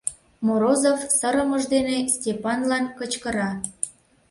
Морозов сырымыж дене Степанлан кычкыра: